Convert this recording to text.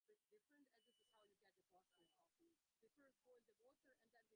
S, আসন গ্রহণ কর, আমি তোমাকে তোমার জিজ্ঞাসিত তত্ত্ব ব্যাখ্যা করিব।